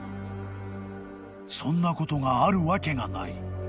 ［そんなことがあるわけがない］